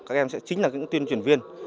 các em sẽ chính là những tuyên truyền viên